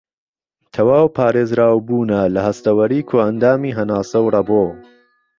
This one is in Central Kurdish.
تەواو پارێزراوبوونە لە هەستەوەری کۆئەندامی هەناسە و رەبۆ